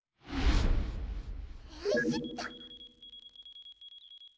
よいしょっと。